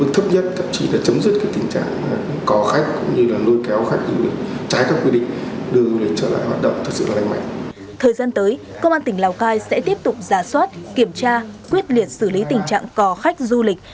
thời gian tới công an tỉnh lào cai sẽ tiếp tục giả soát kiểm tra quyết liệt xử lý tình trạng cò khách du lịch